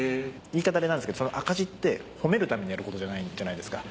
言い方あれなんですけど赤字って褒めるためにやることじゃないじゃないですか。